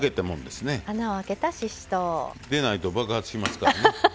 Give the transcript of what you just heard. でないと、爆発しますからね。